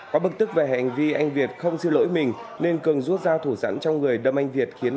có bực tức về hành vi anh việt không xin lỗi mình nên cường rút dao thủ sẵn trong người đâm anh việt khiến